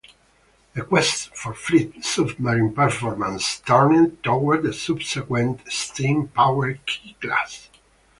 The quest for fleet submarine performance turned toward the subsequent, steam powered "K"-class.